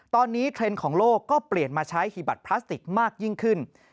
ตอนนี้เทรนด์ของโลกก็เปลี่ยนมาใช้หีบัตพลาสติกมากยิ่งขึ้น